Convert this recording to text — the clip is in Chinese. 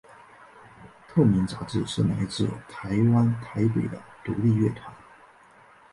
透明杂志是来自台湾台北的独立乐团。